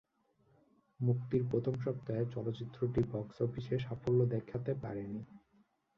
মুক্তির প্রথম সপ্তাহে চলচ্চিত্রটি বক্স অফিসে সাফল্য দেখাতে পারেনি।